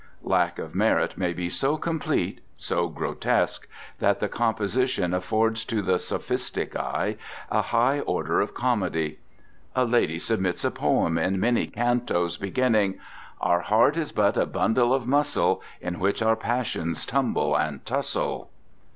Lack of merit may be so complete, so grotesque, that the composition affords to the sophistic eye a high order of comedy. A lady submits a poem in many cantos, beginning Our heart is but a bundle of muscle In which our passions tumble and tussle.